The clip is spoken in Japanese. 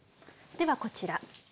ではこちら。